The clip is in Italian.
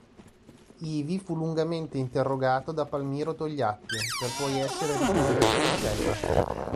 Ivi fu lungamente interrogato da Palmiro Togliatti per poi essere ricondotto in cella.